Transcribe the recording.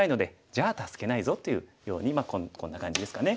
助けないぞというようにまあこんな感じですかね